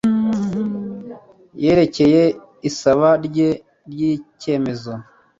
yerekeye isaba rye ry icyemezo